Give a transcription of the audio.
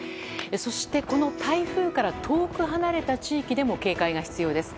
そして、この台風から遠く離れた地域でも警戒が必要です。